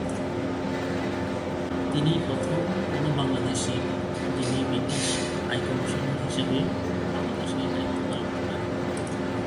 তিনিই প্রথম কোন বাংলাদেশী যিনি ব্রিটিশ হাই কমিশনার হিসেবে বাংলাদেশে দায়িত্ব পালন করেন।